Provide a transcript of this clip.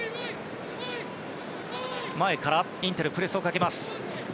前からインテルプレスをかける。